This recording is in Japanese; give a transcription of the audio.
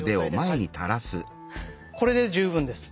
これで十分です。